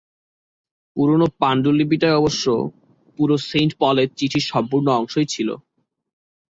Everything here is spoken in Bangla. পুরো পান্ডুলিপিটায় অবশ্য পুরো সেইন্ট পলের চিঠির সম্পূর্ণ অংশই ছিল।